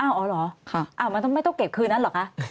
อ๋อเหรอมันไม่ต้องเก็บคืนนั้นเหรอคะ